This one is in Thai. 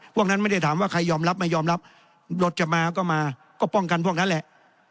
พวกนั้นไม่ได้ถามว่าใครยอมรับไม่ยอมรับรถจะมาก็มาก็ป้องกันพวกนั้นแหละ